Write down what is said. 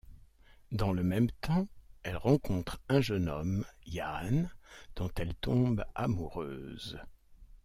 Dans le même temps, elle rencontre un jeune homme, Jaan, dont elle tombe amoureuse.